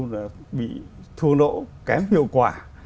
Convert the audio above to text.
là bị thua nỗ kém hiệu quả